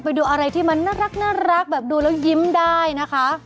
ไปดูอะไรที่มันน่ารักแบบดูแล้วยิ้มได้นะคะ